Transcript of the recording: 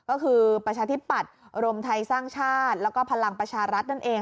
ก็คือประชาธิปัตย์รวมไทยสร้างชาติแล้วก็พลังประชารัฐนั่นเอง